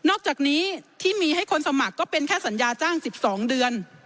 อกจากนี้ที่มีให้คนสมัครก็เป็นแค่สัญญาจ้าง๑๒เดือน